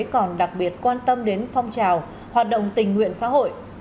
còn đặc biệt quan tâm đến phong trào hoạt động tình nguyện xã hội